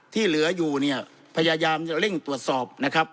ที่เหลืออยู่เนี่ยพยายามจะเร่งตรวจสอบนะครับ